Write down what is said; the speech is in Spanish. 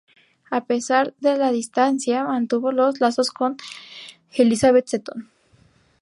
A pesas de la distancia, mantuvo los lazos con Elizabeth Seton.